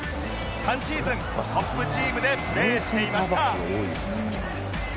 ３シーズントップチームでプレーしていました